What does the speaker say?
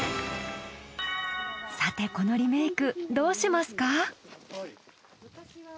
さてこのリメイクどうしますか？